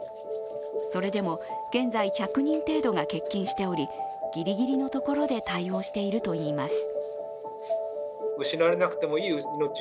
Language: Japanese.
それでも現在１００人程度が欠勤しており、ぎりぎりのところで対応しているといいます。